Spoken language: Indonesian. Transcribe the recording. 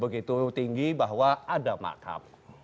begitu tinggi bahwa ada markup